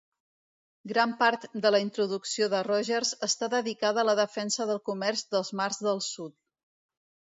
Gran part de la introducció de Rogers està dedicada a la defensa del comerç dels mars del sud.